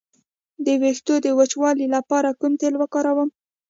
د ویښتو د وچوالي لپاره کوم تېل وکاروم؟